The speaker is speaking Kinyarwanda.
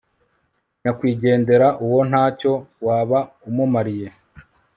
nyakwigendera uwo nta cyo waba umumariye